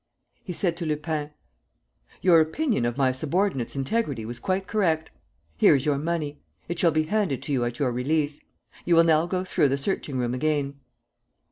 He said to Lupin: "Your opinion of my subordinate's integrity was quite correct. Here is your money. It shall be handed to you at your release. ... You will now go through the searching room again."